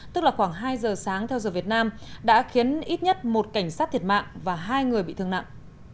tức là khoảng hai giờ sáng theo giờ việt nam đã khiến ít nhất một cảnh sát thiệt mạng và hai người bị thương nặng